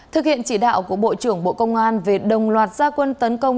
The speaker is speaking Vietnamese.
thực hiện chỉ đạo của bộ trưởng bộ công an về đồng loạt gia quân tấn công